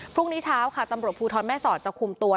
พรุ่งนี้เช้าค่ะตำรวจภูทรแม่สอดจะคุมตัว